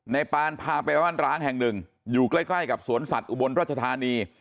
ปานพาไปบ้านร้างแห่งหนึ่งอยู่ใกล้กับสวนสัตว์อุบลรัชธานี